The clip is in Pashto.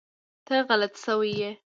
ته غلط شوی ېي